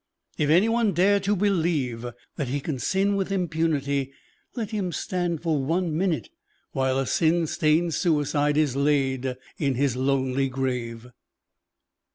If any one dare to believe that he can sin with impunity, let him stand for one minute while a sin stained suicide is laid in his lonely grave.